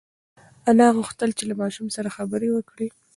انا غوښتل چې له ماشوم سره خبرې وکړي.